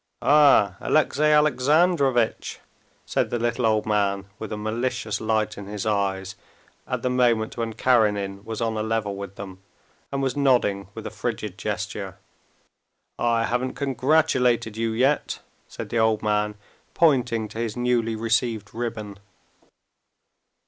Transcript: "Ah! Alexey Alexandrovitch!" said the little old man, with a malicious light in his eyes, at the moment when Karenin was on a level with them, and was nodding with a frigid gesture, "I haven't congratulated you yet," said the old man, pointing to his newly received ribbon.